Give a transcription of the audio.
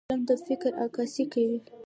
قلم د فکر عکاسي کوي